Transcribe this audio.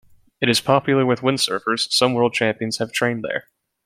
It is popular with windsurfers; some world champions have trained there.